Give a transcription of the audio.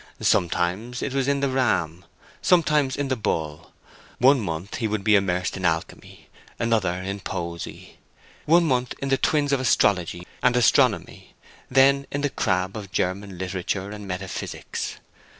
Sometimes it was in the Ram, sometimes in the Bull; one month he would be immersed in alchemy, another in poesy; one month in the Twins of astrology and astronomy; then in the Crab of German literature and metaphysics.